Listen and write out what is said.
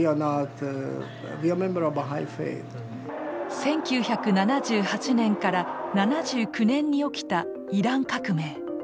１９７８年から７９年に起きたイラン革命。